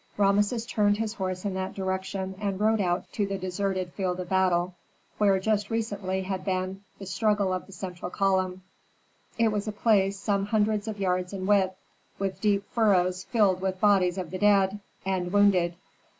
Rameses turned his horse in that direction and rode out to the deserted field of battle, where just recently had been, the struggle of the central column. It was a place some hundreds of yards in width, with deep furrows filled with bodies of the dead and wounded.